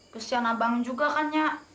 kesian abang juga kan nyak